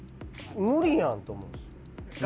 無理やんと思うんですよ。